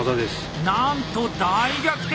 なんと大逆転！